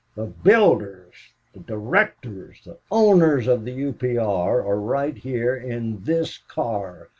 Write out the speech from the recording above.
"The builders the directors the owners of the U. P. R. are right here in this car.